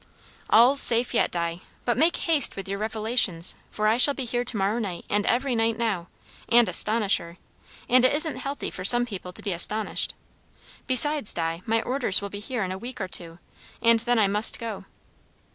"All's safe yet, Di. But make haste with your revelations; for I shall be here to morrow night and every night now, and astonish her; and it isn't healthy for some people to be astonished. Besides, Di, my orders will be here in a week or two; and then I must go."